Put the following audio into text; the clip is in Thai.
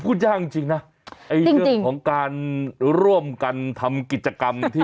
พูดยากจริงนะไอ้เรื่องของการร่วมกันทำกิจกรรมที่